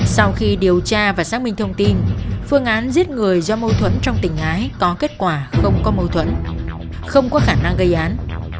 sau khi điều tra và xác minh thông tin phương án giết người do mâu thuẫn trong tình ái có kết quả không có mâu thuẫn không có khả năng gây án